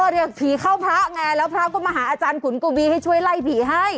เพียกผีเข้าพระเอาพระมาหาอาจารย์กุลกบีให้ช่วยไล่พี่ให้